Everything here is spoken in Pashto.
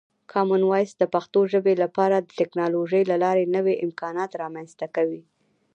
کامن وایس د پښتو ژبې لپاره د ټکنالوژۍ له لارې نوې امکانات رامنځته کوي.